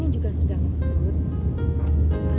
ini juga sudah ngumpul